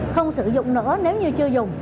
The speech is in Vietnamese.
không sử dụng nữa nếu như chưa dùng